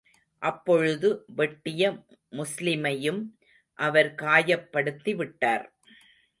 அப்பொழுது வெட்டிய முஸ்லிமையும் அவர் காயப்படுத்தி விட்டார்.